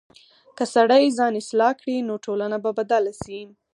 که سړی ځان اصلاح کړي، نو ټولنه به بدله شي.